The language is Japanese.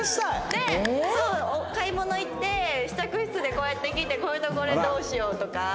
でそうお買い物行って試着室でこうやって着てこれとこれどうしよう？とか。